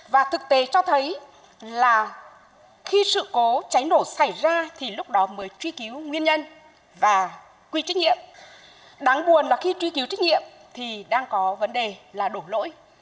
và khi sự cố cháy nổ xảy ra thì lúc đó mới truy cứu nguyên nhân và quy trích nhiệm đáng buồn là khi truy cứu trích nhiệm thì đang có vấn đề là đổ lỗi